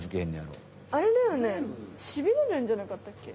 あれだよねしびれるんじゃなかったっけ？